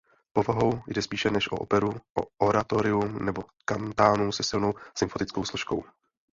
Povahou jde spíše než o operu o oratorium nebo kantátu se silnou symfonickou složkou.